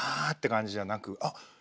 あって感じじゃなくあっ！